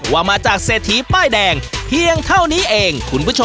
ว่ามาจากเศรษฐีป้ายแดงเพียงเท่านี้เอง